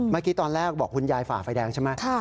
เมื่อกี้ตอนแรกบอกคุณยายฝ่าไฟแดงใช่ไหม